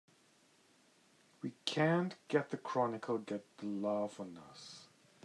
We can't let the Chronicle get the laugh on us!